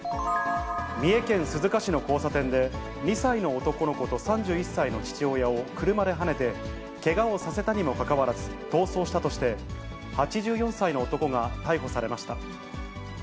三重県鈴鹿市の交差点で、２歳の男の子と３１歳の父親を車ではねて、けがをさせたにもかかわらず、逃走したとして、８４歳の男が逮捕されました。